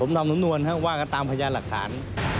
ผมทำนวลครับว่าก็ตามพญาหลักฐาน